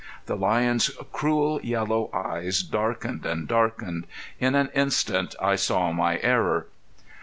The lion's cruel yellow eyes darkened and darkened. In an instant I saw my error.